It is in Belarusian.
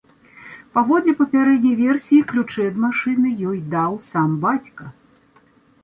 Паводле папярэдняй версіі, ключы ад машыны ёй даў сам бацька.